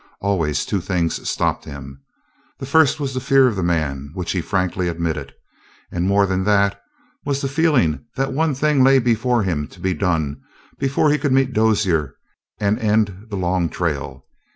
Always two things stopped him. There was first the fear of the man which he frankly admitted, and more than that was the feeling that one thing lay before him to be done before he could meet Dozier and end the long trail.